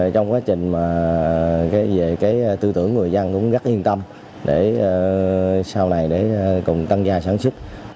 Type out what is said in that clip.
trong quá trình về tư tưởng người dân cũng rất yên tâm để sau này để cùng tăng gia sản xuất